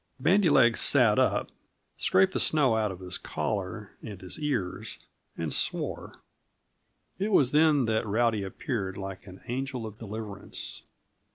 Bandy legs sat up, scraped the snow out of his collar and his ears, and swore. It was then that Rowdy appeared like an angel of deliverance.